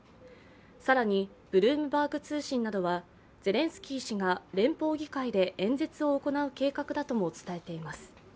更にブルームバーグ通信などは、ゼレンスキー氏が連邦議会で演説を行う計画だとも伝えています。